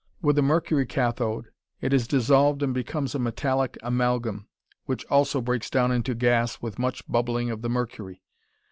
With a mercury cathode, it is dissolved and becomes a metallic amalgam, which also breaks down into gas with much bubbling of the mercury.